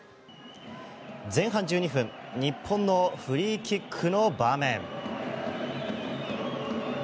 前半１２分日本のフリーキックの場面。